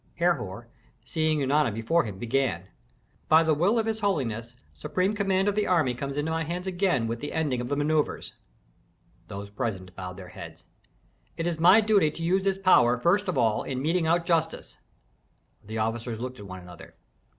Herhor, seeing Eunana before him, began, "By the will of his holiness, supreme command of the army comes into my hands again with the ending of the manœuvres." Those present bowed their heads. "It is my duty to use this power first of all in meting out justice." The officers looked at one another.